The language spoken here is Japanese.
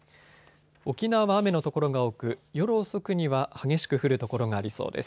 沖縄は雨の所が多く夜遅くには激しく降る所がありそうです。